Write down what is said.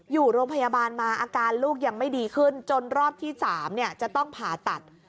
อยู่โรงพยาบาลมาอาการลูกยังไม่ดีขึ้นจนรอบที่๓จะต้องผ่าตัด